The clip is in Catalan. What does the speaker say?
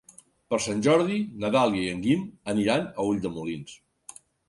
Per Sant Jordi na Dàlia i en Guim aniran a Ulldemolins.